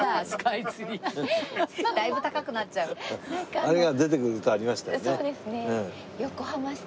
あれが出てくる歌ありましたよね。